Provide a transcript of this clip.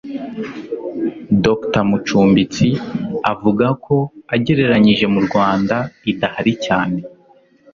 Dr. Mucumbitsi avuga ko agereranyije mu Rwanda idahari cyane